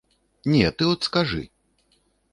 Не, ты от скажы?